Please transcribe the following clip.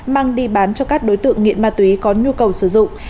mang đi bán cho các đối tượng nghiện ma túy có nhu cầu sử dụng